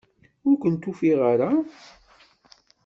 Ur kent-ufint ara?